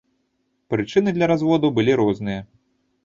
Прычыны для разводу былі розныя.